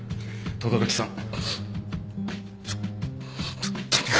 轟さん！